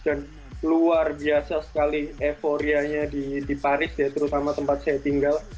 dan luar biasa sekali euforianya di paris ya terutama tempat saya tinggal